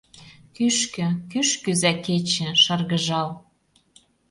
Кӱшкӧ, кӱш кӱза кече, шыргыжал.